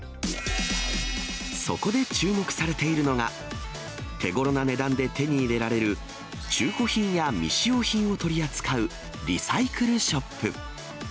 そこで注目されているのが、手ごろな値段で手に入れられる、中古品や未使用品を取り扱うリサイクルショップ。